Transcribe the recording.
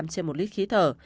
trên một lít khí thở